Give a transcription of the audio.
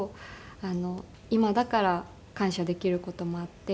今だから感謝できる事もあって。